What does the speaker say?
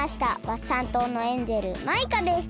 ワッサン島のエンジェルマイカです。